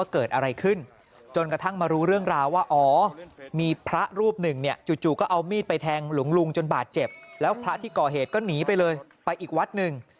ก่อเหตุก็หนีไปเลยไปอีกวัดหนึ่ง